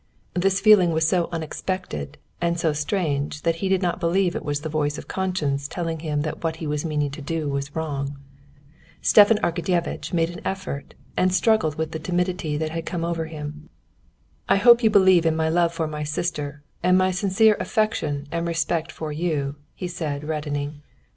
This feeling was so unexpected and so strange that he did not believe it was the voice of conscience telling him that what he was meaning to do was wrong. Stepan Arkadyevitch made an effort and struggled with the timidity that had come over him. "I hope you believe in my love for my sister and my sincere affection and respect for you," he said, reddening.